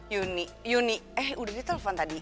yuni yuni eh udah di telpon tadi